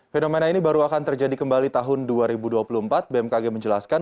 fenomena ini baru akan terjadi kembali tahun dua ribu dua puluh empat bmkg menjelaskan